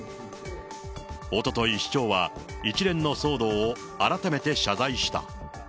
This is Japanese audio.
おととい、市長は一連の騒動を改めて謝罪した。